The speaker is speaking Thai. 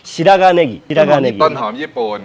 ชิรากาเนกิชิรากาเนกิต้นหอมญี่ปุ่น